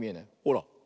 ほら。